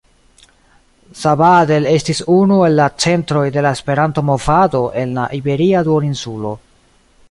Sabadell estis unu el la centroj de la Esperanto-movado en la iberia duoninsulo.